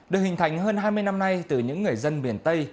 được hình thành hơn hai mươi năm nay từ những người dân miền tây